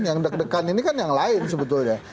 yang deg degan ini kan yang lain sebetulnya